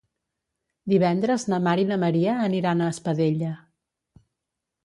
Divendres na Mar i na Maria aniran a Espadella.